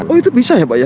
oh itu bisa ya pak ya